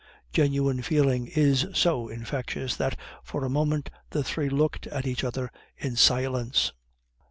Genuine feeling is so infectious that for a moment the three looked at each other in silence.